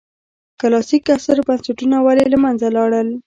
کلاسیک عصر بنسټونه ولې له منځه لاړل.